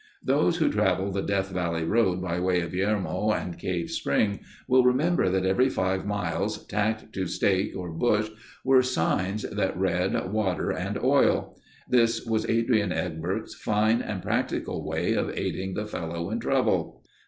Those who traveled the Death Valley road by way of Yermo and Cave Spring will remember that every five miles tacked to stake or bush were signs that read: "Water and oil." This was Adrian Egbert's fine and practical way of aiding the fellow in trouble.